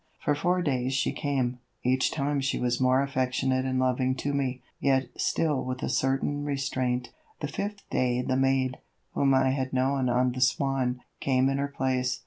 For four days she came, each time she was more affectionate and loving to me, yet still with a certain restraint. The fifth day the maid, whom I had known on the Swan, came in her place.